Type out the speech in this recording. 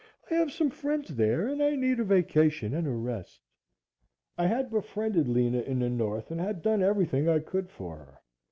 I have some friends there and I need a vacation and a rest." I had befriended Lena in the North and had done everything I could for her.